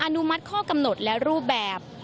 อนุมัติข้อกำหนดและรูปแบบ